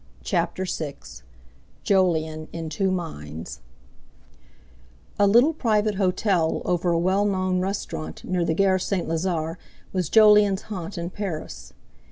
CHAPTER VI JOLYON IN TWO MINDS A little private hotel over a well known restaurant near the Gare St. Lazare was Jolyon's haunt in Paris.